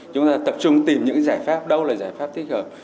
chúng ta tập trung tìm những giải pháp đâu là giải pháp thích hợp